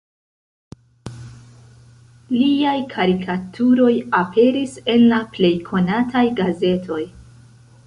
Liaj karikaturoj aperis en la plej konataj gazetoj.